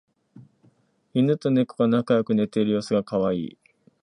イヌとネコが仲良く寝ている様子がカワイイ